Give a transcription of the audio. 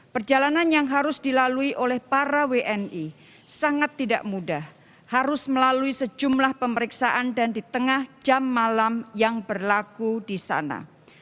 perjalanan yang harus dilalui oleh para wni sangat tidak mudah harus melalui sejumlah pemeriksaan dan di tengah jam malam yang berlaku di sana